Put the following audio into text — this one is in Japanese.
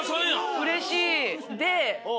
うれしい。